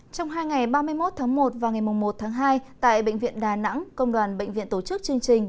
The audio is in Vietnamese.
trong hai ngày ba mươi một tháng một và ngày một tháng hai tại bệnh viện đà nẵng công đoàn bệnh viện tổ chức chương trình